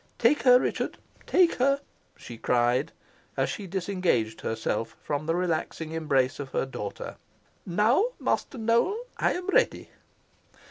Take her, Richard, take her!" she cried, as she disengaged herself from the relaxing embrace of her daughter. "Now, Master Nowell, I am ready."